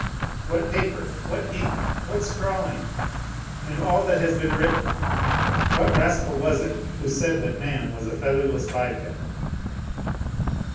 What paper! What ink! What scrawling! And all that has been written! What rascal was it who said that man was a featherless biped?